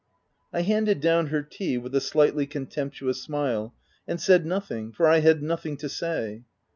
I handed down her tea with a slightly con temptuous smile, and said nothing, for I had nothing to say.